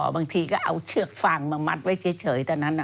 บางทีก็เอาเชือกฟางมามัดไว้เฉยตอนนั้น